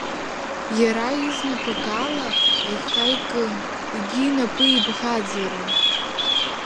Иара изнапык ала аиха икын, егьи инапы ибӷаӡара.